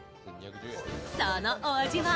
そのお味は？